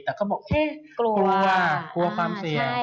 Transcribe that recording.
แต่ก็บอกแฮ่ปลูกว่าปลูกว่าความเสี่ยง